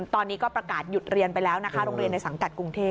ตอนนี้ก็ประกาศหยุดเรียนไปแล้วนะคะโรงเรียนในสังกัดกรุงเทพ